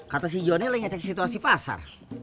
kata si jonny lah yang ngecek situasi pasar